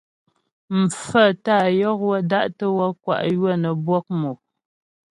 Mfaə́ tá yɔk wə́ da'tə́ wɔk kwá ywə́ nə́ bwɔk mò.